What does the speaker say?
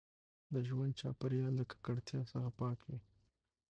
د ژوند چاپیریال له ککړتیا څخه پاک وي.